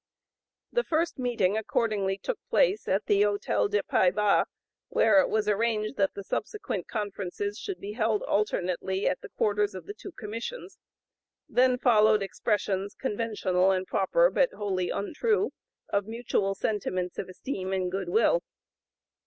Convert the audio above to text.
The first meeting accordingly took place at the Hôtel des Pays Bas, where it was arranged that the subsequent conferences should be held alternately at the quarters of the two Commissions. Then followed expressions, conventional and proper but wholly untrue, of mutual sentiments of esteem and good will.